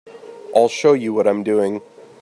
I'll show you what I'm doing.